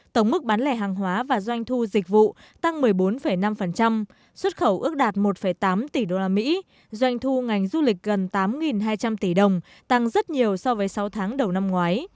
tổng mức bán lẻ hàng hóa và doanh thu dịch vụ tăng một mươi bốn năm xuất khẩu ước đạt một tám tỷ usd doanh thu ngành du lịch gần tám hai trăm linh tỷ đồng tăng rất nhiều so với sáu tháng đầu năm ngoái